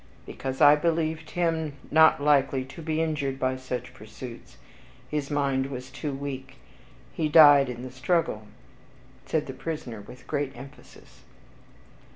"Because I believed him not likely to be injured by such pursuits; his mind was too weak, he died in the struggle," said the prisoner with great emphasis.